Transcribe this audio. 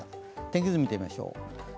天気図見てみましょう。